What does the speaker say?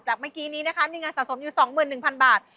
เมื่อกี้นี้นะคะมีเงินสะสมอยู่๒๑๐๐๐บาท